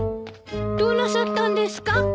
どうなさったんですか？